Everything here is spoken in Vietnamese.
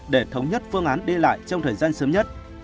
để thống nhất phương án đi lại trong thời gian sớm nhất